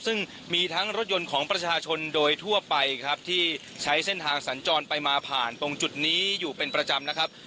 ซึ่งมีทั้งรถยนต์ของประชาชนโดยทั่วไปครับที่ใช้เส้นทางสัญจรไปมาผ่านตรงจุดนี้อยู่เป็นประจำนะครับ